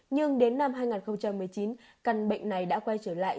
nhưng đến năm hai nghìn một mươi chín căn bệnh này đã quay trở lại